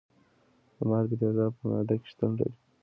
د مالګې تیزاب په معده کې شتون لري.